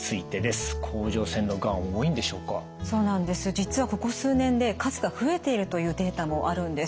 実はここ数年で数が増えているというデータもあるんです。